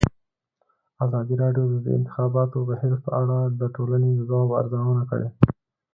ازادي راډیو د د انتخاباتو بهیر په اړه د ټولنې د ځواب ارزونه کړې.